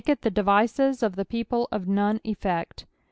lh the den'uxt of the people of none effect.'"